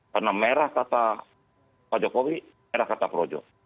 karena merah kata pak jokowi merah kata projo